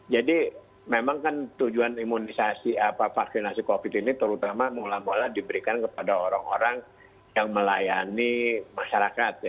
jadi memang kan tujuan imunisasi vaksinasi covid ini terutama mula mula diberikan kepada orang orang yang melayani masyarakat